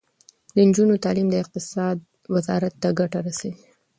د نجونو تعلیم د اقتصاد وزارت ته ګټه رسوي.